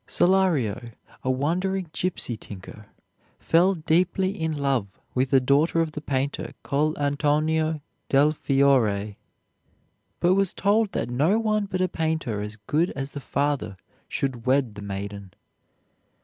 Solario, a wandering gypsy tinker, fell deeply in love with the daughter of the painter Coll' Antonio del Fiore, but was told that no one but a painter as good as the father should wed the maiden.